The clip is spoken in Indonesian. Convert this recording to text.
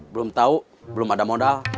belum tahu belum ada modal